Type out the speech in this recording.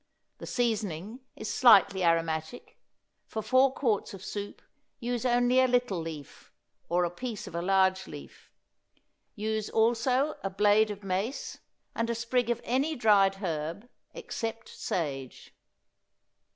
The seasoning is slightly aromatic; for four quarts of soup use only a little leaf, or a piece of a large leaf; use also a blade of mace, and a sprig of any dried herb except sage.